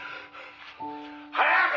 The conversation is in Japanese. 「早く！」